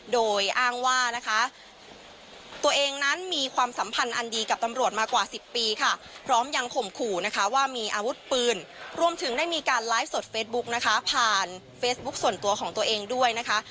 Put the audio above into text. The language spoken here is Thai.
โดยอ้างว่านะคะตัวเองนั้นมีความสัมพันธ์อันดีกับตำรวจมากว่า๑๐ปีค่ะพร้อมยังข่มขู่นะคะว่ามีอาวุธปืนรวมถึงได้มีการไลฟ์สดเฟซบุ๊กนะคะผ่านเฟซบุ๊คส่วนตัวของตัวเองด้วยนะคะ